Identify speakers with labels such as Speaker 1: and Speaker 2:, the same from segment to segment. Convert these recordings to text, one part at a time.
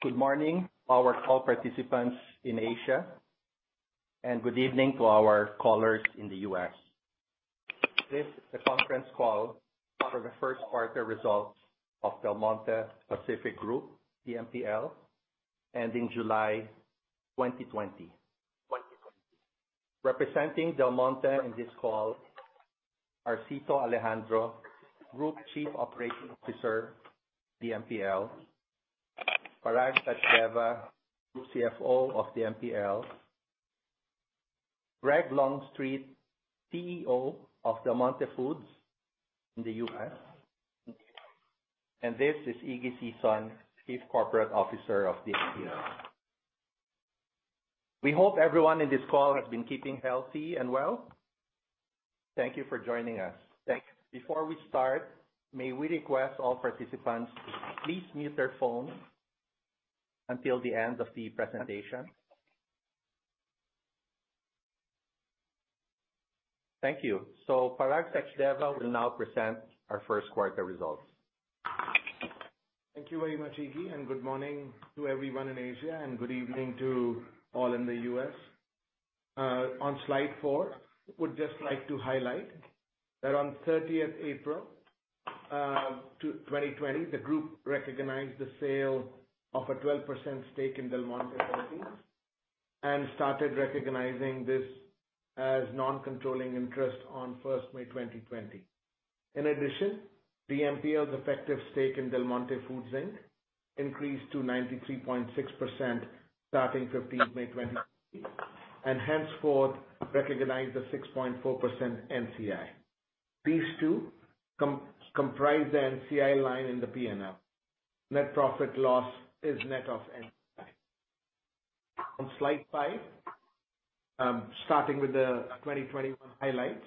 Speaker 1: Good morning our call participants in Asia, and good evening to our callers in the U.S. This is a conference call for the first quarter results of Del Monte Pacific Limited, DMPL, ending July 2020. Representing Del Monte in this call are Cito Alejandro, Group Chief Operating Officer, DMPL. Parag Sachdeva, Group CFO of DMPL. Greg Longstreet, CEO of Del Monte Foods in the U.S. This is Iggy Sison, Chief Corporate Officer of DMPL. We hope everyone in this call has been keeping healthy and well. Thank you for joining us. Before we start, may we request all participants to please mute their phones until the end of the presentation. Thank you. Parag Sachdeva will now present our first quarter results.
Speaker 2: Thank you very much, Iggy. Good morning to everyone in Asia, and good evening to all in the U.S. On slide four, would just like to highlight that on 30th April 2020, the group recognized the sale of a 12% stake in Del Monte Philippines, and started recognizing this as non-controlling interest on May 1st, 2020. In addition, DMPL's effective stake in Del Monte Foods, Inc. increased to 93.6% starting May 15th, 2020, and henceforth recognized a 6.4% NCI. These two comprise the NCI line in the P&L. Net profit loss is net of NCI. On slide five, starting with the 2021 highlights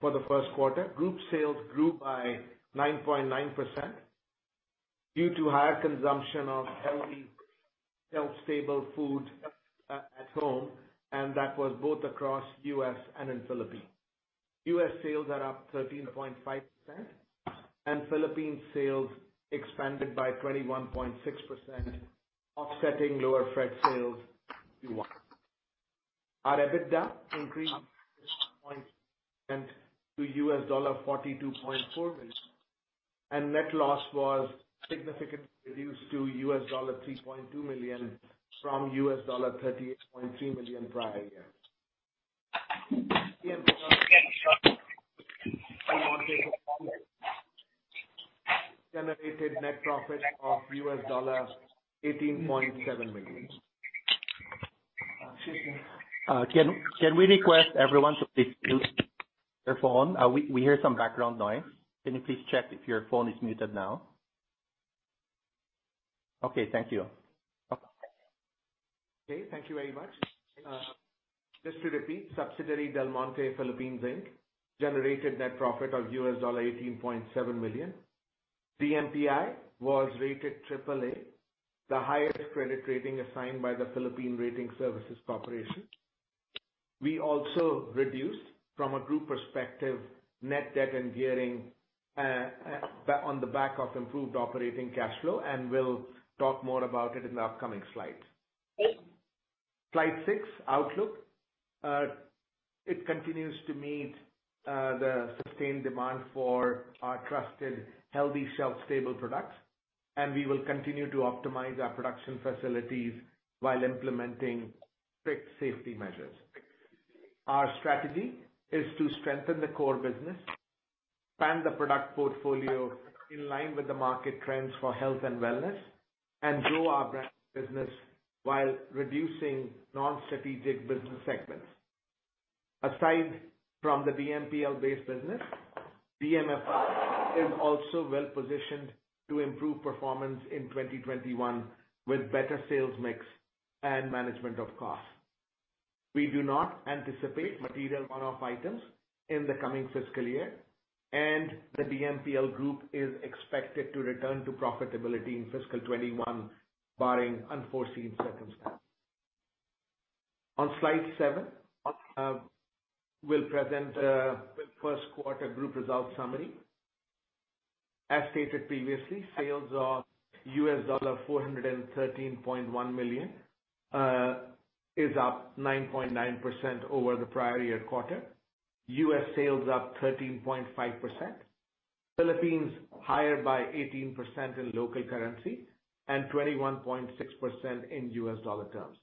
Speaker 2: for the first quarter, group sales grew by 9.9% due to higher consumption of healthy shelf-stable food at home, and that was both across U.S. and in Philippines. U.S. sales are up 13.5%, and Philippines sales expanded by 21.6%, offsetting lower fresh sales in Q1. Our EBITDA increased 6.8% to $42.4 million, and net loss was significantly reduced to $3.2 million from $38.3 million prior year. Generated net profit of $18.7 million.
Speaker 1: Can we request everyone to please mute their phone? We hear some background noise. Can you please check if your phone is muted now? Okay, thank you.
Speaker 2: Okay, thank you very much. Just to repeat, subsidiary Del Monte Philippines, Inc. generated net profit of $18.7 million. DMPI was rated AAA, the highest credit rating assigned by the Philippine Rating Services Corporation. We also reduced, from a group perspective, net debt and gearing on the back of improved operating cash flow. We'll talk more about it in the upcoming slides. Slide six, outlook. It continues to meet the sustained demand for our trusted, healthy shelf-stable products. We will continue to optimize our production facilities while implementing strict safety measures. Our strategy is to strengthen the core business, expand the product portfolio in line with the market trends for health and wellness. Grow our brand business while reducing non-strategic business segments. Aside from the DMPL-based business, DMFI is also well-positioned to improve performance in 2021 with better sales mix and management of costs. We do not anticipate material one-off items in the coming fiscal year, and the DMPL group is expected to return to profitability in fiscal 2021, barring unforeseen circumstances. On slide seven, we'll present the first quarter group results summary. As stated previously, sales of $413.1 million is up 9.9% over the prior year quarter. US sales up 13.5%. Philippines higher by 18% in local currency and 21.6% in US dollar terms.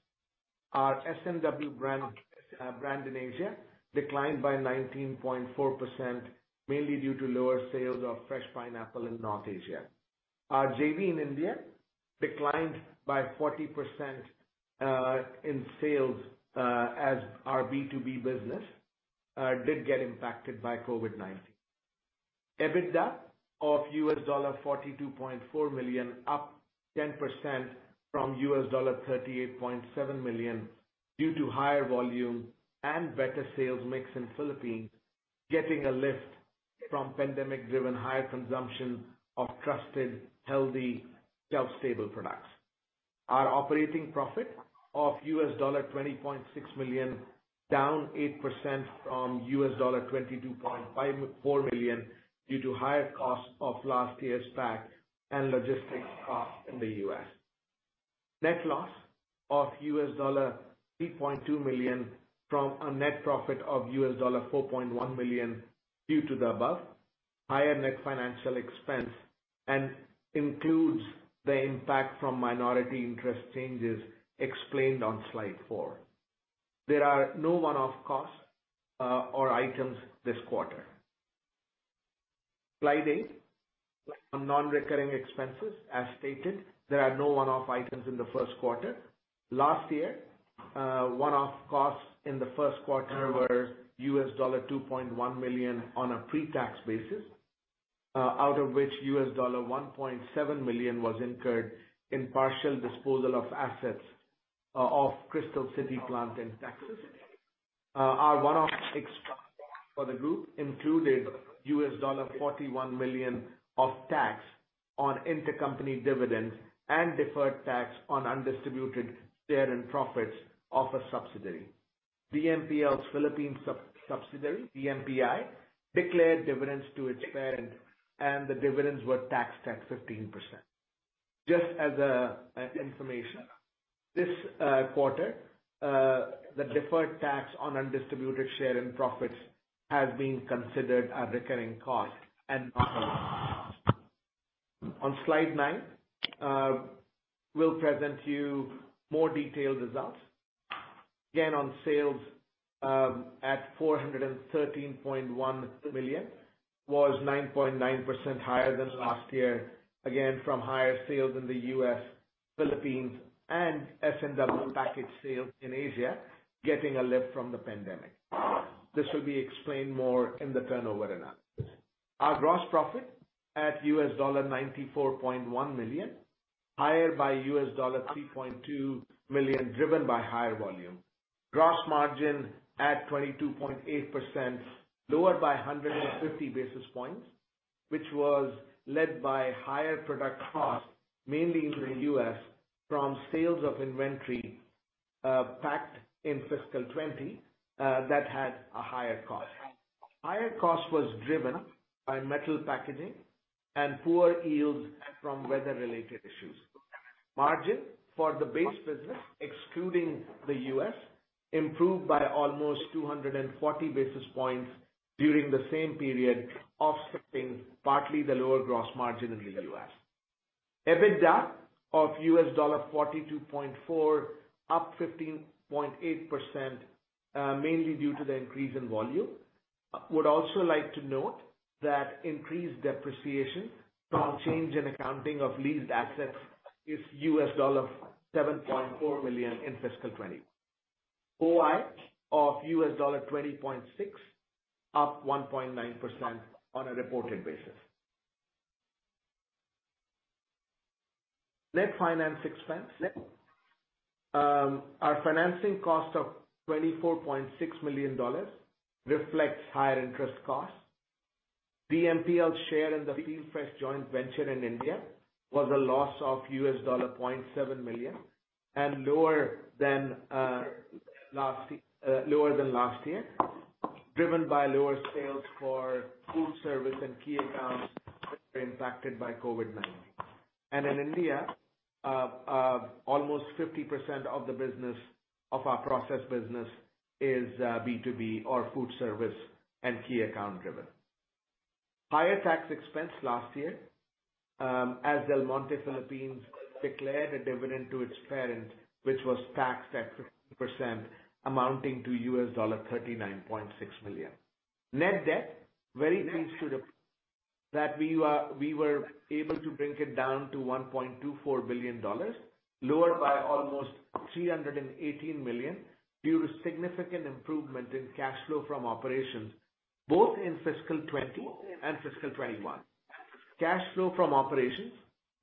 Speaker 2: Our S&W brand in Asia declined by 19.4%, mainly due to lower sales of fresh pineapple in North Asia. Our JV in India declined by 40% in sales, as our B2B business did get impacted by COVID-19. EBITDA of $42.4 million, up 10% from $38.7 million due to higher volume and better sales mix in Philippines, getting a lift from pandemic-driven higher consumption of trusted, healthy shelf-stable products. Our operating profit of $20.6 million. Down 8% from $22.4 million due to higher costs of last year's pack and logistics costs in the U.S. Net loss of $3.2 million from a net profit of $4.1 million due to the above, higher net financial expense, and includes the impact from minority interest changes explained on slide four. There are no one-off costs or items this quarter. Slide eight, some non-recurring expenses. As stated, there are no one-off items in the first quarter. Last year, one-off costs in the first quarter were $2.1 million on a pre-tax basis, out of which $1.7 million was incurred in partial disposal of assets of Crystal City plant in Texas. Our one-off expense for the group included $41 million of tax on intercompany dividends and deferred tax on undistributed share and profits of a subsidiary. DMPL's Philippines subsidiary, DMPI, declared dividends to its parent, and the dividends were taxed at 15%. Just as information, this quarter, the deferred tax on undistributed share and profits has been considered a recurring cost and not. On slide nine, we'll present to you more detailed results. On sales at $413.1 million, was 9.9% higher than last year, again, from higher sales in the U.S., Philippines, and S&W package sales in Asia, getting a lift from the pandemic. This will be explained more in the turnover analysis. Our gross profit at $94.1 million, higher by $3.2 million, driven by higher volume. Gross margin at 22.8%, lower by 150 basis points, which was led by higher product costs, mainly in the U.S., from sales of inventory packed in fiscal 2020, that had a higher cost. Higher cost was driven by metal packaging and poor yields from weather-related issues. Margin for the base business, excluding the U.S., improved by almost 240 basis points during the same period, offsetting partly the lower gross margin in the U.S. EBITDA of $42.4, up 15.8%, mainly due to the increase in volume. Would also like to note that increased depreciation from change in accounting of leased assets is $7.4 million in fiscal 2020. OI of $20.6, up 1.9% on a reported basis. Net finance expense. Our financing cost of $24.6 million reflects higher interest costs. DMPL's share in the FieldFresh joint venture in India was a loss of $0.7 million and lower than last year, driven by lower sales for food service and key accounts which were impacted by COVID-19. In India, almost 50% of our process business is B2B or food service and key account driven. Higher tax expense last year, as Del Monte Philippines declared a dividend to its parent, which was taxed at 15%, amounting to $39.6 million. Net debt, very pleased that we were able to bring it down to $1.24 billion, lower by almost $318 million due to significant improvement in cash flow from operations both in fiscal 2020 and fiscal 2021. Cash flow from operations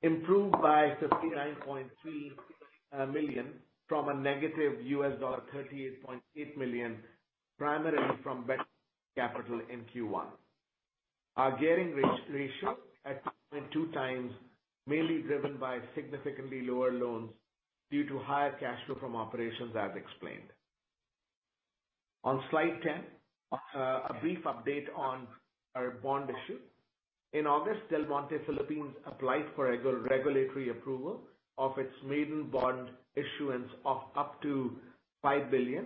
Speaker 2: improved by $59.3 million from a -$38.8 million, primarily from capital in Q1. Our gearing ratio at 2.2 times, mainly driven by significantly lower loans due to higher cash flow from operations as explained. On slide 10, a brief update on our bond issue. In August, Del Monte Philippines applied for a regulatory approval of its maiden bond issuance of up to 5 billion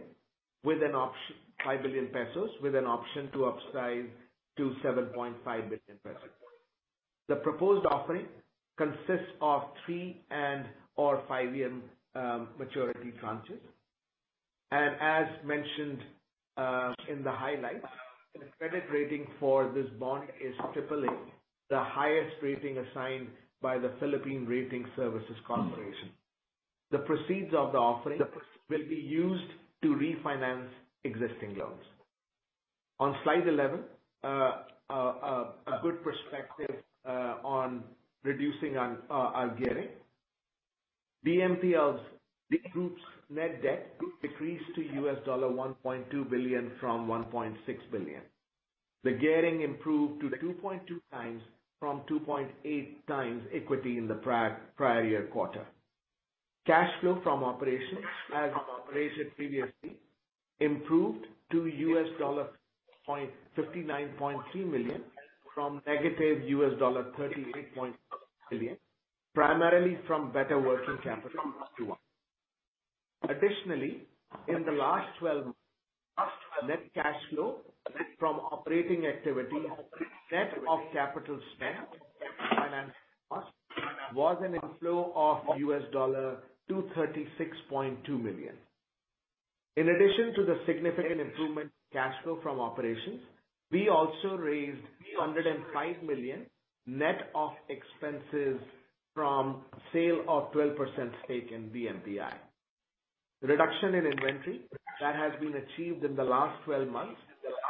Speaker 2: with an option to upsize to 7.5 billion pesos. The proposed offering consists of three and/or five-year maturity tranches. As mentioned in the highlights, the credit rating for this bond is AAA, the highest rating assigned by the Philippine Rating Services Corporation. The proceeds of the offering will be used to refinance existing loans. On slide 11, a good perspective on reducing our gearing. DMPL's group's net debt decreased to $1.2 billion from $1.6 billion. The gearing improved to 2.2 times from 2.8 times equity in the prior year quarter. Cash flow from operations, as operated previously, improved to $59.3 million from -$38.5 million, primarily from better working capital. Additionally, in the last 12 months, net cash flow from operating activity, net of capital spend and financing cost, was an inflow of $236.2 million. In addition to the significant improvement in cash flow from operations, we also raised $105 million net of expenses from sale of 12% stake in DMPI. Reduction in inventory that has been achieved in the last 12 months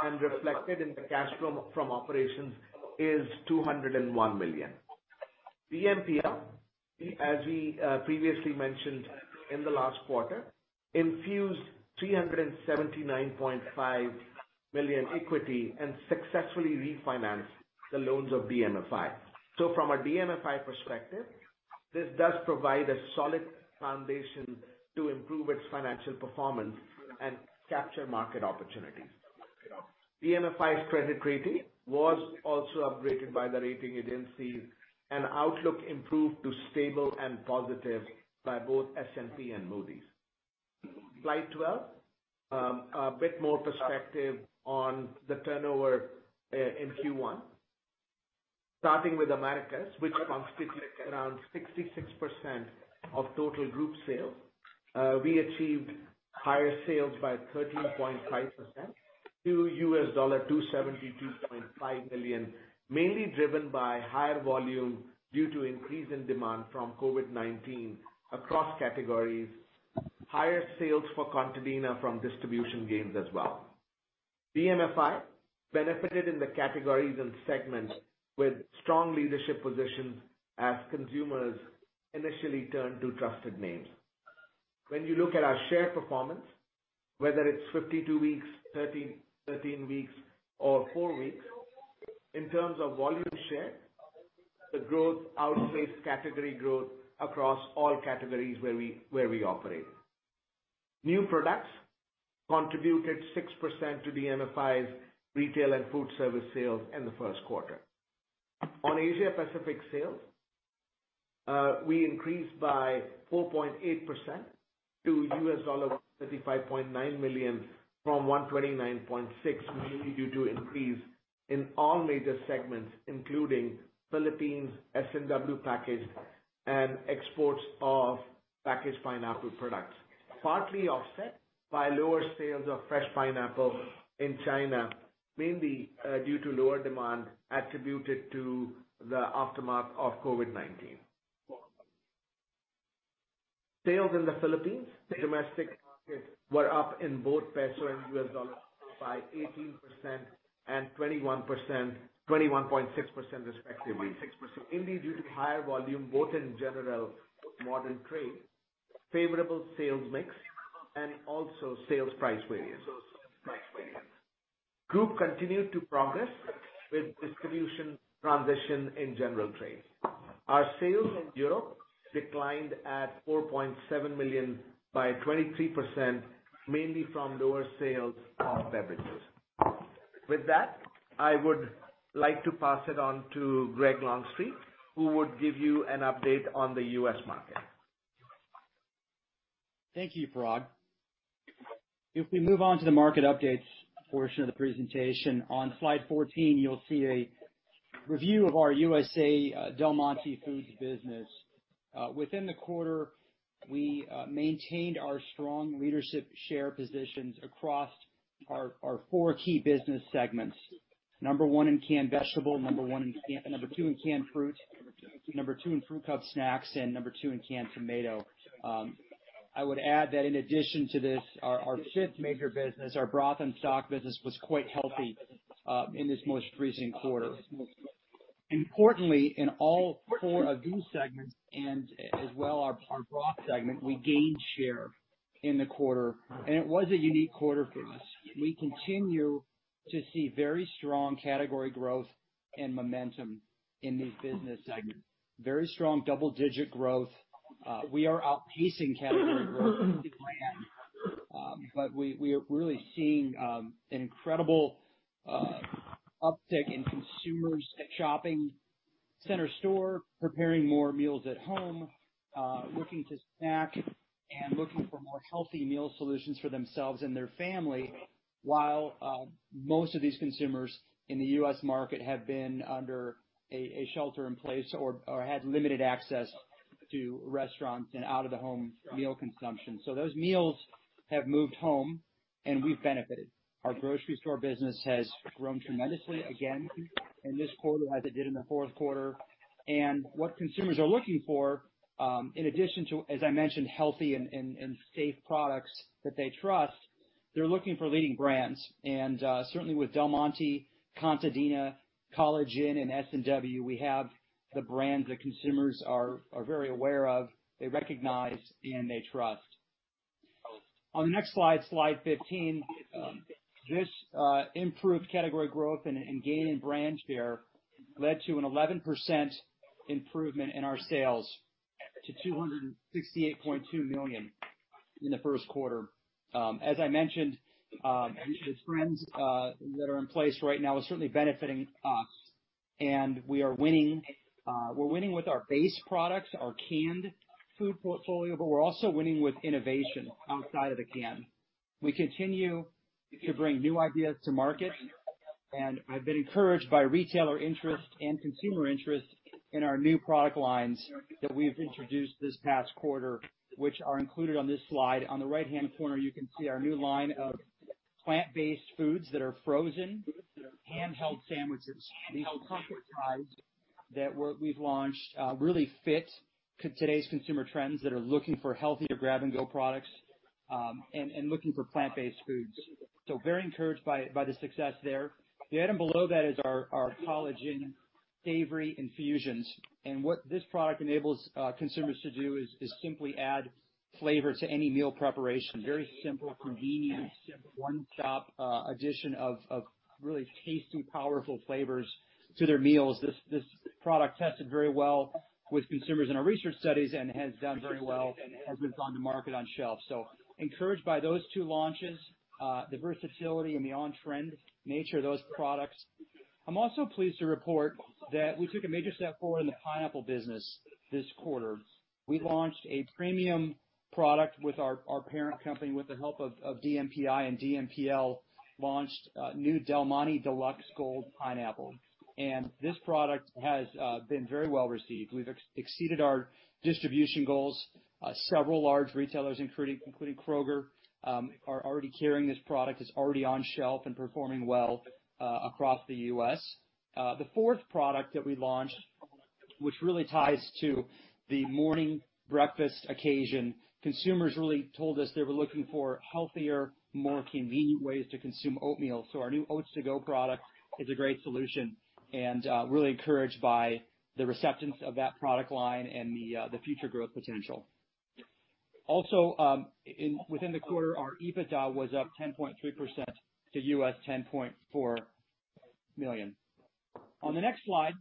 Speaker 2: and reflected in the cash flow from operations is $201 million. DMPL, as we previously mentioned in the last quarter, infused $379.5 million equity and successfully refinanced the loans of DMFI. From a DMFI perspective, this does provide a solid foundation to improve its financial performance and capture market opportunities. DMFI's credit rating was also upgraded by the rating agencies and outlook improved to stable and positive by both S&P and Moody's. Slide 12. A bit more perspective on the turnover in Q1. Starting with Americas, which constitutes around 66% of total group sales, we achieved higher sales by 13.5% to $272.5 million, mainly driven by higher volume due to increase in demand from COVID-19 across categories, higher sales for Contadina from distribution gains as well. DMFI benefited in the categories and segments with strong leadership positions as consumers initially turned to trusted names. When you look at our share performance, whether it's 52 weeks, 13 weeks, or four weeks, in terms of volume share, the growth outpaced category growth across all categories where we operate. New products contributed 6% to DMFI's retail and food service sales in the first quarter. On Asia-Pacific sales, we increased by 4.8% to $135.9 million from $129.6 million, mainly due to increase in all major segments, including Philippines, S&W packaged, and exports of packaged pineapple products, partly offset by lower sales of fresh pineapple in China, mainly due to lower demand attributed to the aftermath of COVID-19. Sales in the Philippines domestic markets were up in both PHP and US dollars by 18% and 21.6% respectively, mainly due to higher volume both in general modern trade, favorable sales mix, and also sales price variance. Group continued to progress with distribution transition in general trade. Our sales in Europe declined at $4.7 million by 23%, mainly from lower sales of beverages. With that, I would like to pass it on to Greg Longstreet, who would give you an update on the U.S. market.
Speaker 3: Thank you, Parag. If we move on to the market updates portion of the presentation, on slide 14, you'll see a review of our U.S. Del Monte Foods business. Within the quarter, we maintained our strong leadership share positions across our four key business segments, number one in canned vegetable, number two in canned fruit, number two in fruit cup snacks, and number two in canned tomato. I would add that in addition to this, our fifth major business, our broth and stock business, was quite healthy in this most recent quarter. Importantly, in all four of these segments and as well our broth segment, we gained share in the quarter, and it was a unique quarter for us. We continue to see very strong category growth and momentum in these business segments. Very strong double-digit growth. We are outpacing category growth planned. We are really seeing an incredible uptick in consumers shopping center store, preparing more meals at home, looking to snack and looking for more healthy meal solutions for themselves and their family while most of these consumers in the U.S. market have been under a shelter in place or had limited access to restaurants and out of the home meal consumption. Those meals have moved home and we've benefited. Our grocery store business has grown tremendously again in this quarter as it did in the fourth quarter. What consumers are looking for, in addition to, as I mentioned, healthy and safe products that they trust, they're looking for leading brands. Certainly with Del Monte, Contadina, College Inn, and S&W, we have the brands that consumers are very aware of, they recognize, and they trust. On the next slide 15, this improved category growth and gain in brand share led to an 11% improvement in our sales to $268.2 million in the first quarter. As I mentioned, the trends that are in place right now are certainly benefiting us, and we're winning with our base products, our canned food portfolio, but we're also winning with innovation outside of the can. We continue to bring new ideas to market, and I've been encouraged by retailer interest and consumer interest in our new product lines that we've introduced this past quarter, which are included on this slide. On the right-hand corner, you can see our new line of plant-based foods that are frozen handheld sandwiches. These comfort fries that we've launched really fit today's consumer trends that are looking for healthier grab-and-go products, and looking for plant-based foods. Very encouraged by the success there. The item below that is our collagen savory infusions. What this product enables consumers to do is simply add flavor to any meal preparation. Very simple, convenient, one-stop addition of really tasty, powerful flavors to their meals. This product tested very well with consumers in our research studies and has done very well as it's on the market on shelf. Encouraged by those two launches, the versatility, and the on-trend nature of those products. I'm also pleased to report that we took a major step forward in the pineapple business this quarter. We launched a premium product with our parent company, with the help of DMPI and DMPL, launched new Del Monte Deluxe Gold pineapple. This product has been very well received. We've exceeded our distribution goals. Several large retailers, including Kroger, are already carrying this product. It's already on shelf and performing well across the U.S. The fourth product that we launched, which really ties to the morning breakfast occasion, consumers really told us they were looking for healthier, more convenient ways to consume oatmeal. Our new Oats To Go product is a great solution and really encouraged by the receptance of that product line and the future growth potential. Also, within the quarter, our EBITDA was up 10.3% to $10.4 million. On the next slide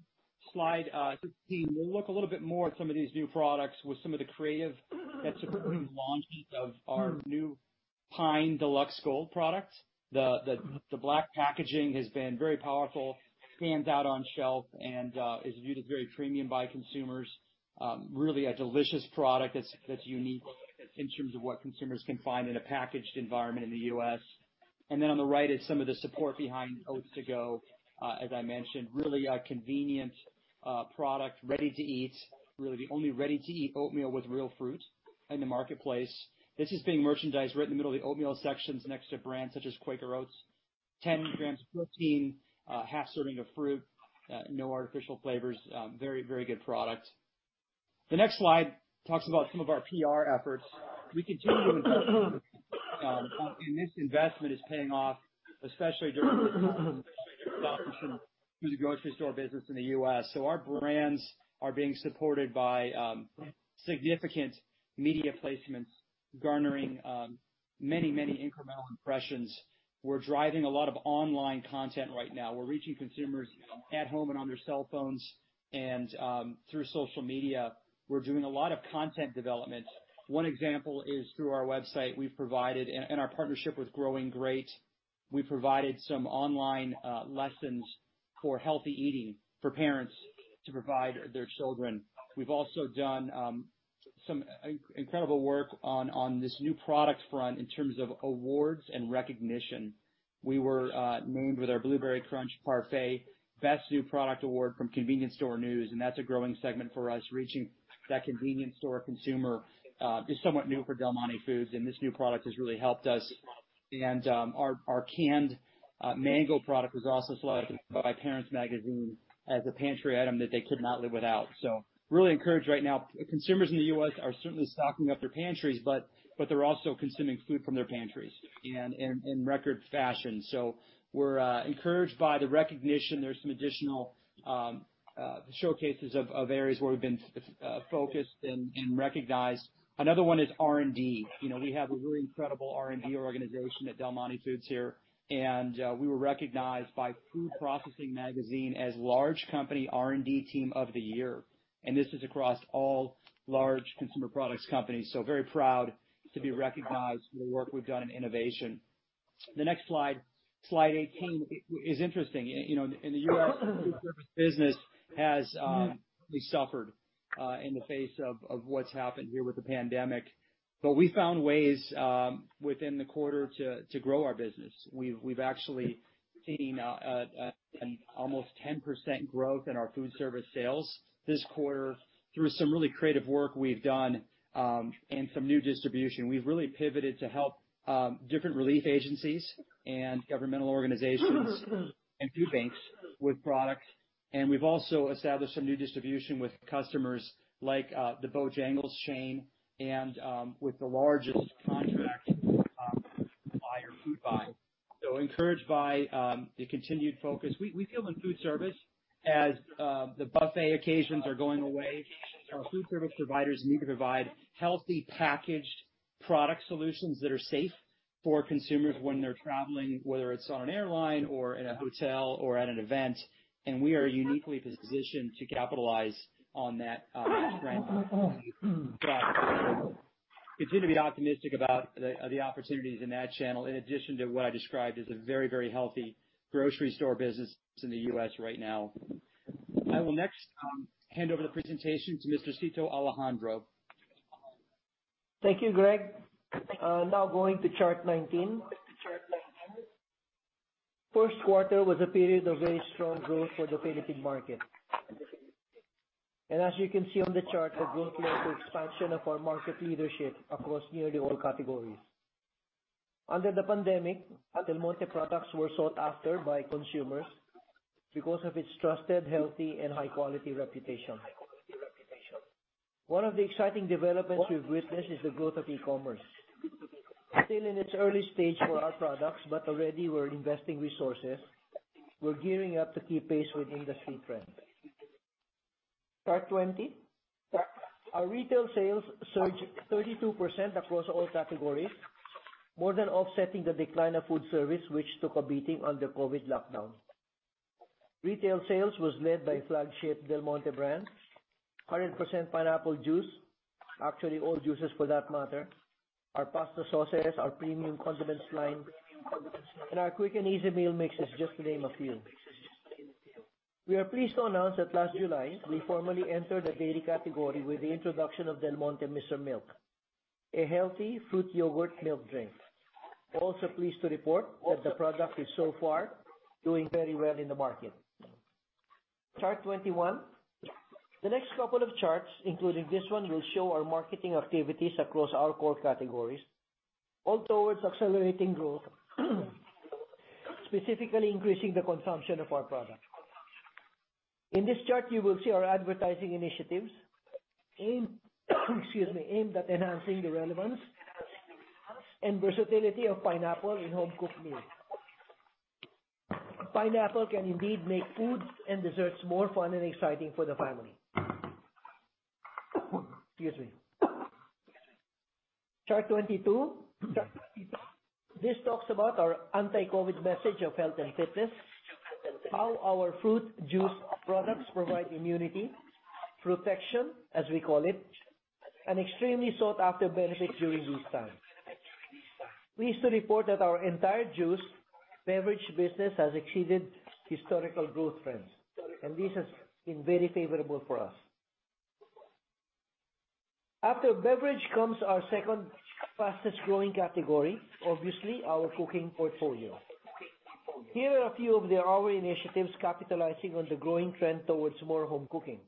Speaker 3: 16, we'll look a little bit more at some of these new products with some of the creative that supported the launch of our new Del Monte Deluxe Gold product. The black packaging has been very powerful, stands out on shelf, and is viewed as very premium by consumers. Really a delicious product that's unique in terms of what consumers can find in a packaged environment in the U.S. On the right is some of the support behind Oats To Go. As I mentioned, really a convenient product, ready to eat. Really the only ready-to-eat oatmeal with real fruit in the marketplace. This is being merchandised right in the middle of the oatmeal sections next to brands such as Quaker Oats. 10 grams of protein, half serving of fruit, no artificial flavors. Very good product. The next slide talks about some of our PR efforts. We continue to invest, and this investment is paying off, especially during the grocery store business in the U.S. Our brands are being supported by significant media placements garnering many incremental impressions. We're driving a lot of online content right now. We're reaching consumers at home and on their cell phones and through social media. We're doing a lot of content development. One example is through our website and our partnership with GrowingGreat, we've provided some online lessons for healthy eating for parents to provide their children. We've also done some incredible work on this new product front in terms of awards and recognition. We were named with our Fruit Crunch Parfait, Best New Product Award from Convenience Store News, and that's a growing segment for us. Reaching that convenience store consumer is somewhat new for Del Monte Foods, and this new product has really helped us. Our canned mango product was also selected by Parents Magazine as a pantry item that they could not live without. Really encouraged right now. Consumers in the U.S. are certainly stocking up their pantries, but they're also consuming food from their pantries and in record fashion. We're encouraged by the recognition. There's some additional showcases of areas where we've been focused and recognized. Another one is R&D. We have a really incredible R&D organization at Del Monte Foods here, and we were recognized by Food Processing magazine as Large Company R&D Team of the Year. This is across all large consumer products companies, so very proud to be recognized for the work we've done in innovation. The next slide 18, is interesting. In the U.S., food service business has really suffered in the face of what's happened here with the pandemic. We found ways within the quarter to grow our business. We've actually seen an almost 10% growth in our food service sales this quarter through some really creative work we've done and some new distribution. We've really pivoted to help different relief agencies and governmental organizations and food banks with products. We've also established some new distribution with customers like the Bojangles chain. Encouraged by the continued focus, we feel in food service, as the buffet occasions are going away, our food service providers need to provide healthy packaged product solutions that are safe for consumers when they're traveling, whether it's on an airline or in a hotel or at an event, and we are uniquely positioned to capitalize on that trend going forward. Continue to be optimistic about the opportunities in that channel, in addition to what I described as a very healthy grocery store business in the U.S. right now. I will next hand over the presentation to Mr. Cito Alejandro.
Speaker 4: Thank you, Greg. Going to chart 19. First quarter was a period of very strong growth for the Philippine market. As you can see on the chart, our growth led to expansion of our market leadership across nearly all categories. Under the pandemic, Del Monte products were sought after by consumers because of its trusted, healthy, and high-quality reputation. One of the exciting developments we've witnessed is the growth of e-commerce. Still in its early stage for our products, already we're investing resources. We're gearing up to keep pace with industry trends. Chart 20. Our retail sales surged 32% across all categories, more than offsetting the decline of food service, which took a beating on the COVID lockdown. Retail sales was led by flagship Del Monte brand, 100% pineapple juice, actually, all juices for that matter, our pasta sauces, our premium condiments line, and our quick and easy meal mixes, just to name a few. We are pleased to announce that last July, we formally entered the dairy category with the introduction of Del Monte Mr. Milk, a healthy fruit yogurt milk drink. Also pleased to report that the product is so far doing very well in the market. Chart 21. The next couple of charts, including this one, will show our marketing activities across our core categories, all towards accelerating growth, specifically increasing the consumption of our product. In this chart, you will see our advertising initiatives aimed at enhancing the relevance and versatility of pineapple in home-cooked meals. Pineapple can indeed make food and desserts more fun and exciting for the family. Excuse me. Chart 22. This talks about our anti-COVID message of health and fitness, how our fruit juice products provide immunity, protection, as we call it, an extremely sought-after benefit during these times. Pleased to report that our entire juice beverage business has exceeded historical growth trends. This has been very favorable for us. After beverage comes our second fastest growing category, obviously, our cooking portfolio. Here are a few of our initiatives capitalizing on the growing trend towards more home cooking.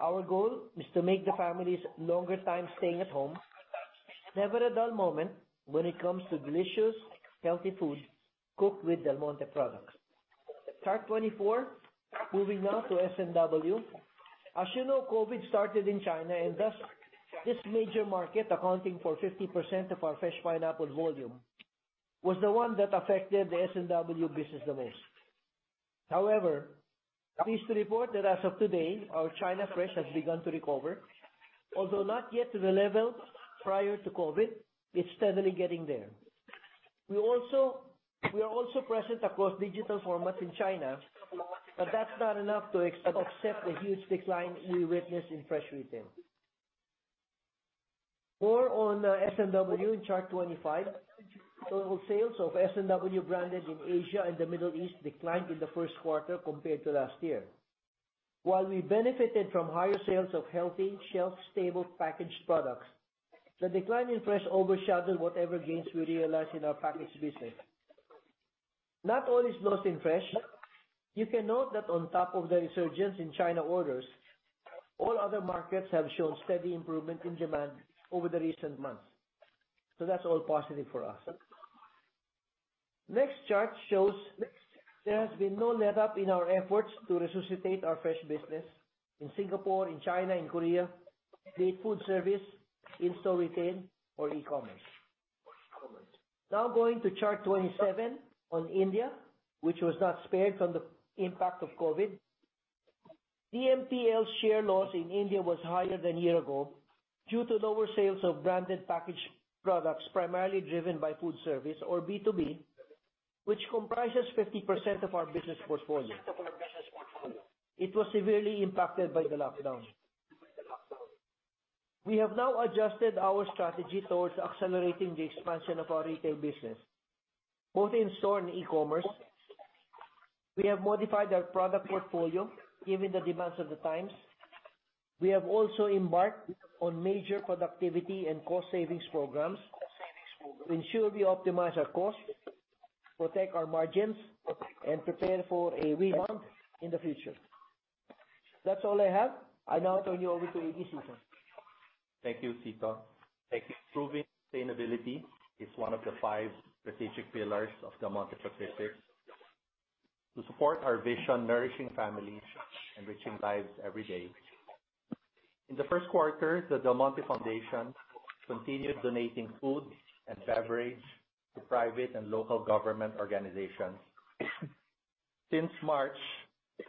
Speaker 4: Our goal is to make the family's longer time staying at home never a dull moment when it comes to delicious, healthy food cooked with Del Monte products. Chart 24. Moving now to S&W. As you know, COVID started in China. Thus this major market, accounting for 50% of our fresh pineapple volume, was the one that affected the S&W business the most. However I'm pleased to report that as of today, our China fresh has begun to recover. Although not yet to the level prior to COVID-19, it's steadily getting there. We are also present across digital formats in China, that's not enough to offset the huge decline we witnessed in fresh retail. More on S&W in chart 25. Total sales of S&W branded in Asia and the Middle East declined in the first quarter compared to last year. While we benefited from higher sales of healthy, shelf-stable packaged products, the decline in fresh overshadowed whatever gains we realized in our packaged business. Not all is lost in fresh. You can note that on top of the resurgence in China orders, all other markets have shown steady improvement in demand over the recent months. That's all positive for us. Next chart shows there has been no let-up in our efforts to resuscitate our fresh business in Singapore, in China, in Korea, be it food service, in-store retail, or e-commerce. Going to Chart 27 on India, which was not spared from the impact of COVID-19. DMPL's share loss in India was higher than year ago due to lower sales of branded packaged products, primarily driven by food service or B2B, which comprises 50% of our business portfolio. It was severely impacted by the lockdown. We have now adjusted our strategy towards accelerating the expansion of our retail business, both in store and e-commerce. We have modified our product portfolio given the demands of the times. We have also embarked on major productivity and cost savings programs to ensure we optimize our costs, protect our margins, and prepare for a rebound in the future. That's all I have. I now turn you over to Iggy Sison.
Speaker 1: Thank you, Cito. Improving sustainability is one of the five strategic pillars of Del Monte Pacific. To support our vision, nourishing families, enriching lives every day. In the first quarter, the Del Monte Foundation continued donating food and beverage to private and local government organizations. Since March,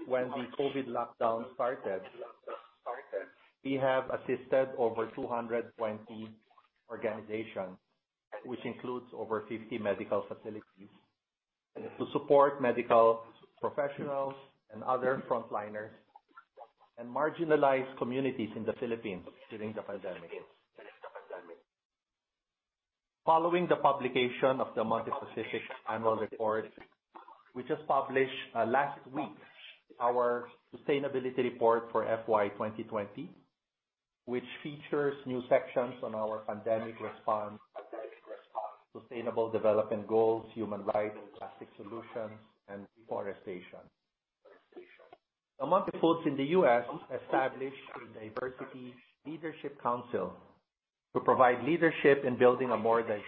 Speaker 1: when the COVID-19 lockdown started, we have assisted over 220 organizations, which includes over 50 medical facilities, to support medical professionals and other frontliners and marginalized communities in the Philippines during the pandemic. Following the publication of the Del Monte Pacific annual report, we just published last week our sustainability report for FY 2020, which features new sections on our pandemic response, sustainable development goals, human rights, plastic solutions, and deforestation. Del Monte Foods in the U.S. established a diversity leadership council to provide leadership in building a more diverse,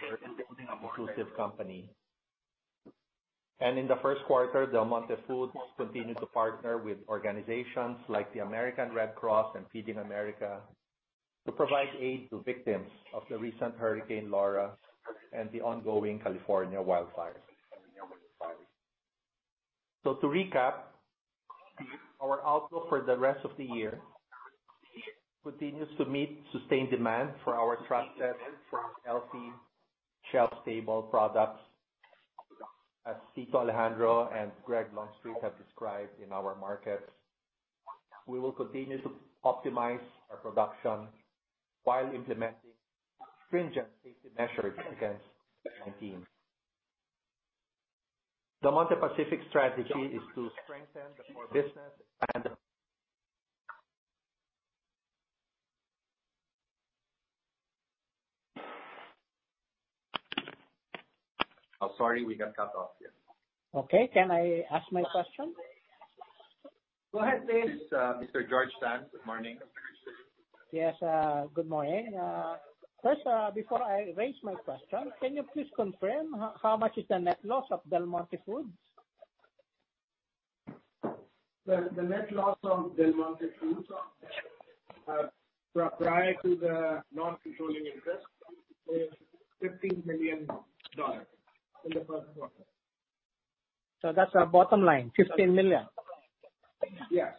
Speaker 1: inclusive company. In the first quarter, Del Monte Foods continued to partner with organizations like the American Red Cross and Feeding America to provide aid to victims of the recent Hurricane Laura and the ongoing California wildfires. To recap, our outlook for the rest of the year continues to meet sustained demand for our trusted healthy shelf-stable products. As Cito Alejandro and Greg Longstreet have described in our markets, we will continue to optimize our production while implementing stringent safety measures against COVID-19. Del Monte Pacific's strategy is to strengthen the core business and. Oh, sorry, we got cut off here.
Speaker 5: Okay, can I ask my question?
Speaker 2: Go ahead, please.
Speaker 1: This is Mr. George Tan, good morning.
Speaker 5: Yes, good morning. First, before I raise my question, can you please confirm how much is the net loss of Del Monte Foods?
Speaker 2: The net loss of Del Monte Foods prior to the non-controlling interest is $15 million in the first quarter.
Speaker 5: That's our bottom line, $15 million?
Speaker 2: Yes.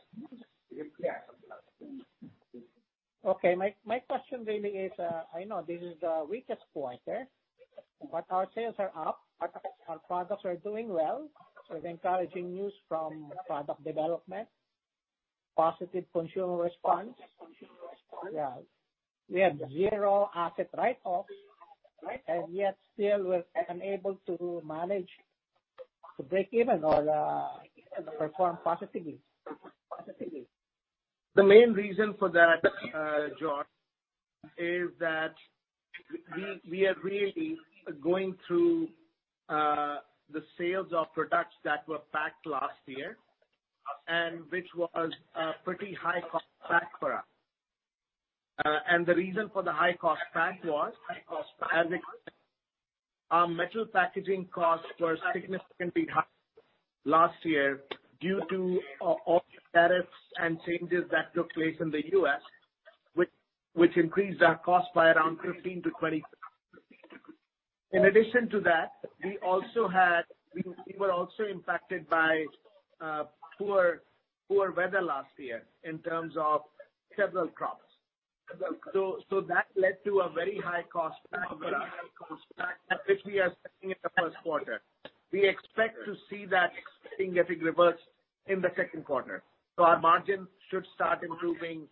Speaker 5: Okay. My question really is, I know this is the weakest point. Our sales are up, our products are doing well. The encouraging news from product development, positive consumer response. We have zero asset write-offs, and yet still we're unable to manage to break even or perform positively.
Speaker 2: The main reason for that, George, is that we are really going through the sales of products that were packed last year, and which was a pretty high cost pack for us. The reason for the high cost pack was, as we our metal packaging costs were significantly high last year due to all the tariffs and changes that took place in the U.S., which increased our cost by around 15%-20%. In addition to that, we were also impacted by poor weather last year in terms of several crops. That led to a very high cost pack for us, which we are seeing in the first quarter. We expect to see that thing getting reversed in the second quarter. Our margin should start improving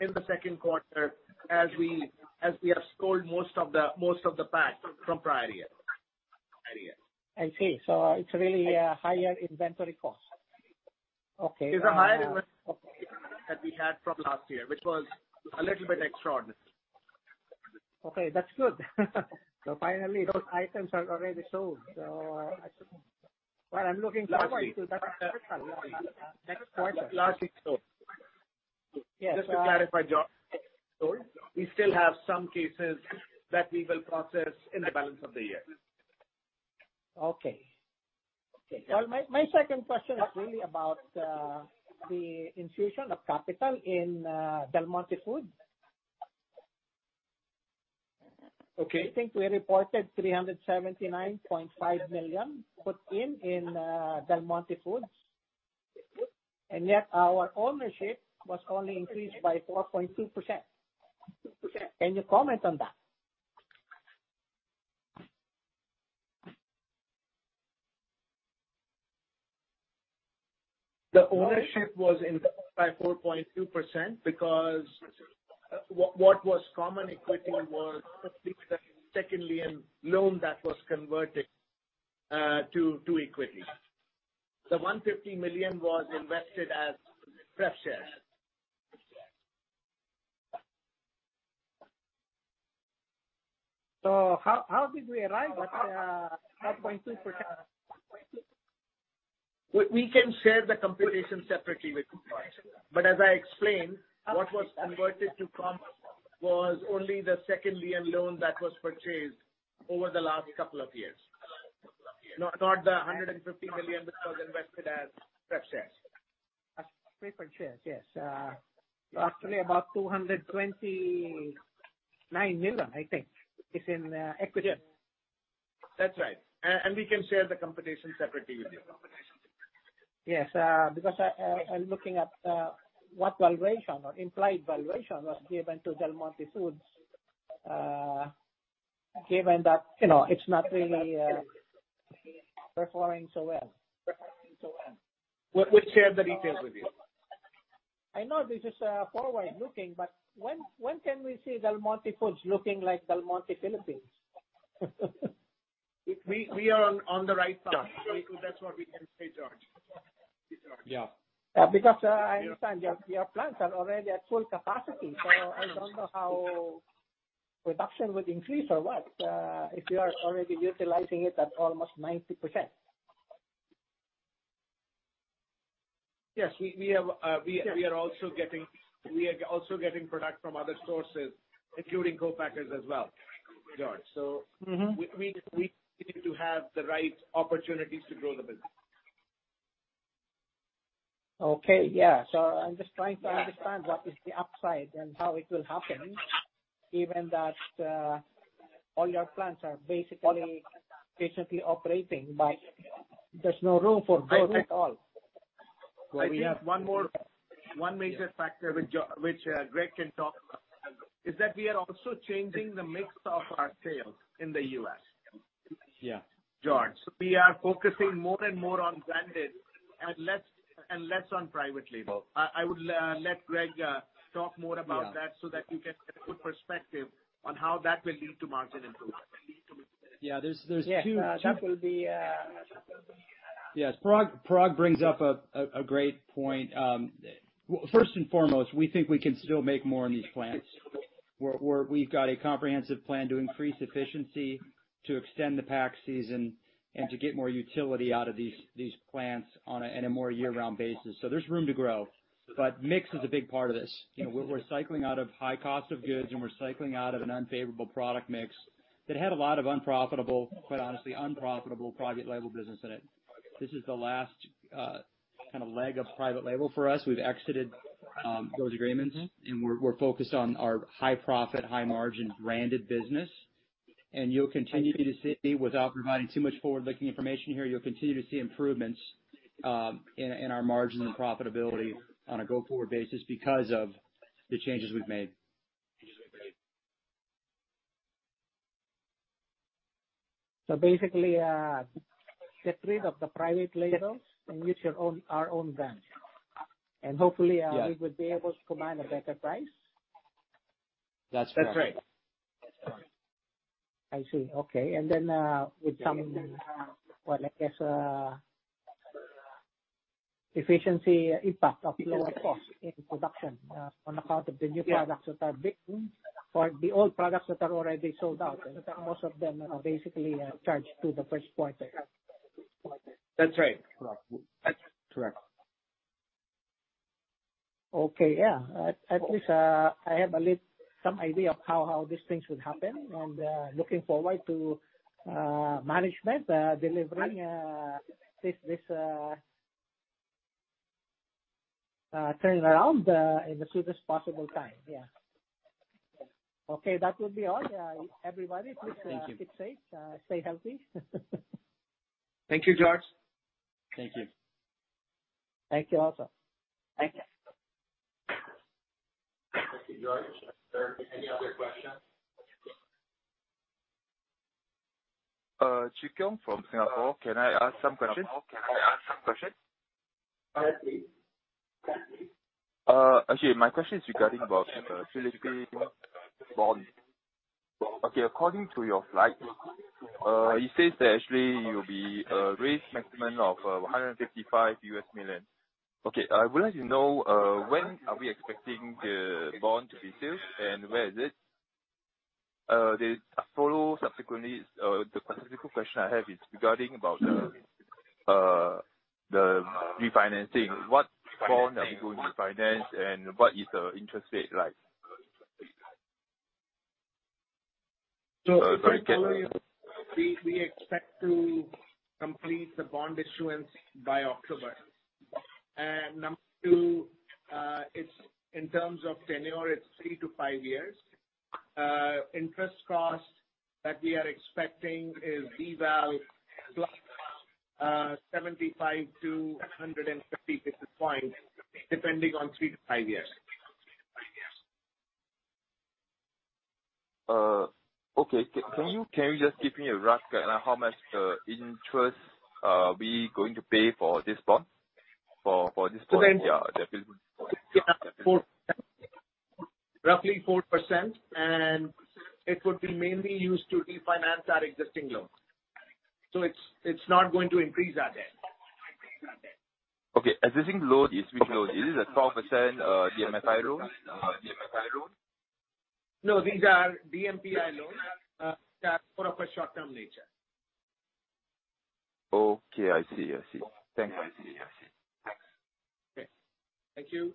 Speaker 2: in the second quarter as we have sold most of the pack from prior year.
Speaker 5: I see. It's really a higher inventory cost. Okay.
Speaker 2: It's a higher inventory that we had from last year, which was a little bit extraordinary.
Speaker 5: Okay, that's good. Finally, those items are already sold. I'm looking forward to that next quarter.
Speaker 2: Largely sold.
Speaker 5: Yes.
Speaker 2: Just to clarify, George. We still have some cases that we will process in the balance of the year.
Speaker 5: Okay. My second question is really about the infusion of capital in Del Monte Foods.
Speaker 2: Okay.
Speaker 5: I think we reported $379.5 million put in in Del Monte Foods, and yet our ownership was only increased by 4.2%. Can you comment on that?
Speaker 2: The ownership was increased by 4.2% because what was common equity was a $150 million loan that was converted to equity. The $150 million was invested as fresh shares.
Speaker 5: How did we arrive at 4.2%?
Speaker 2: We can share the computation separately with you. As I explained, what was converted to common was only the second lien loan that was purchased over the last couple of years. Not the $150 million which was invested as preferred shares.
Speaker 5: As prep shares, yes. Actually, about $229 million, I think, is in equity.
Speaker 2: Yes. That's right. We can share the computation separately with you.
Speaker 5: Yes, because I'm looking at what valuation or implied valuation was given to Del Monte Foods given that it's not really performing so well.
Speaker 2: We'll share the details with you.
Speaker 5: I know this is forward-looking, but when can we see Del Monte Foods looking like Del Monte Philippines?
Speaker 2: We are on the right path. That's what we can say, George.
Speaker 3: Yeah.
Speaker 5: I understand your plants are already at full capacity. I don't know how production would increase or what, if you are already utilizing it at almost 90%.
Speaker 2: Yes, we are also getting product from other sources, including co-packers as well, George. We seem to have the right opportunities to grow the business.
Speaker 5: Okay. Yeah. I'm just trying to understand what is the upside and how it will happen given that all your plants are basically patiently operating, but there's no room for growth at all.
Speaker 2: We have one major factor, which Greg can talk about, is that we are also changing the mix of our sales in the U.S.
Speaker 3: Yeah.
Speaker 2: George, we are focusing more and more on branded and less on private label. I would let Greg talk more about that so that you get a good perspective on how that will lead to margin improvement.
Speaker 3: Yeah, there's.
Speaker 5: Yeah, that will be.
Speaker 3: Yes, Parag brings up a great point. First and foremost, we think we can still make more in these plants, where we've got a comprehensive plan to increase efficiency, to extend the pack season, and to get more utility out of these plants on a more year-round basis. There's room to grow. Mix is a big part of this. We're cycling out of high cost of goods, and we're cycling out of an unfavorable product mix that had a lot of unprofitable, quite honestly, unprofitable private label business in it. This is the last leg of private label for us. We've exited those agreements, and we're focused on our high profit, high margin branded business. You'll continue to see, without providing too much forward-looking information here, you'll continue to see improvements in our margin and profitability on a go-forward basis because of the changes we've made.
Speaker 5: Basically, get rid of the private labels and use our own brands.
Speaker 3: Yes.
Speaker 5: we would be able to command a better price.
Speaker 3: That's correct.
Speaker 2: That's right.
Speaker 5: I see. Okay. With some, I guess, efficiency impact of lower cost in production on account of the new products or the old products that are already sold out, most of them are basically charged to the first quarter.
Speaker 2: That's right.
Speaker 3: Correct.
Speaker 5: Okay, yeah. At least I have some idea of how these things would happen. Looking forward to management delivering this turnaround in the soonest possible time. Yeah. Okay, that would be all. Eveybody, please-
Speaker 2: Thank you.
Speaker 5: Keep safe, stay healthy.
Speaker 2: Thank you, George.
Speaker 3: Thank you.
Speaker 5: Thank you also.
Speaker 2: Thank you.
Speaker 1: Thank you, George. Are there any other questions?
Speaker 6: Chi Keong from Singapore. Can I ask some questions?
Speaker 1: Yes, please.
Speaker 6: Okay. My question is regarding about Philippines bond. Okay, according to your slides, it says that actually you'll be raise maximum of $155 million. Okay. I would like to know, when are we expecting the bond to be sold, and where is it? The follow subsequently, the specific question I have is regarding about the refinancing. What bond are we going to finance, and what is the interest rate like?
Speaker 2: First I'll tell you, we expect to complete the bond issuance by October. Number two, in terms of tenure, it's three to five years. Interest cost that we are expecting is BVAL plus 75-150 basis points, depending on three to five years.
Speaker 6: Okay. Can you just give me a rough how much interest are we going to pay for this bond?
Speaker 2: Roughly 4%. It would be mainly used to refinance our existing loan. It's not going to increase our debt.
Speaker 6: Okay. Existing loan, this existing loan, is this a 12% DMFI loan?
Speaker 2: No, these are DMPI loans that are of a short-term nature.
Speaker 6: Okay. I see. Thanks.
Speaker 2: Okay. Thank you.